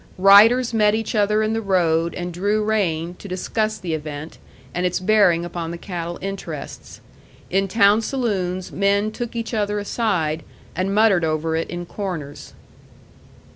Riders met each other in the road and drew rein to discuss the event, and its bearing upon the cattle interests. In town saloons men took each other aside, and muttered over it in corners.